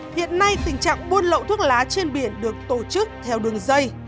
hiện nay tình trạng buôn lậu thuốc lá trên biển được tổ chức theo đường dây